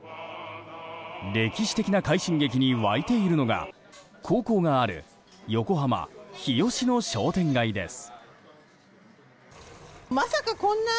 歴史的な快進撃に沸いているのが高校がある横浜・日吉の商店街です。